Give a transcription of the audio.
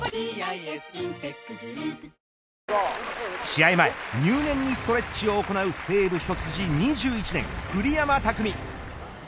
試合前、入念にストレッチを行う西武一筋２１年、栗山巧。